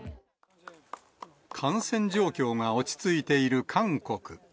感染状況が落ち着いている韓国。